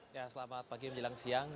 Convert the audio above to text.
selamat pagi menjelang siang